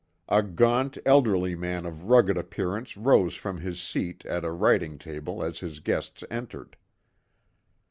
A gaunt, elderly man of rugged appearance rose from his seat at a writing table as his guests entered.